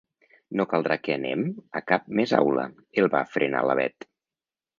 No caldrà que anem a cap més aula —el va frenar la Bet—.